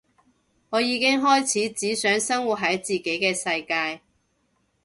我已經開始只想生活喺自己嘅世界